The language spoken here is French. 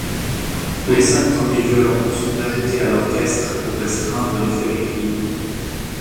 Les cinq premiers violons sont ajoutés à l'orchestre pour restreindre l'effet des cuivres.